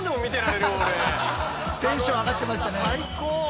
テンション上がってましたね。